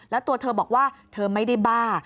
แล้วตัวเธอบอกว่าเธอไม่ได้บ้า